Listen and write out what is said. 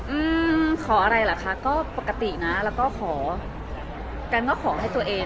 อืมขออะไรเหรอคะก็ปกตินะแล้วก็ขอกันก็ขอให้ตัวเอง